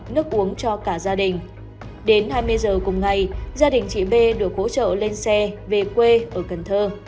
nước uống cho cả gia đình đến hai mươi giờ cùng ngày gia đình chị b được hỗ trợ lên xe về quê ở cần thơ